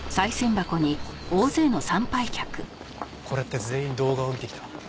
これって全員動画を見て来た。